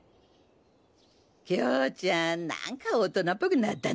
京ちゃんなんか大人っぽくなっだな。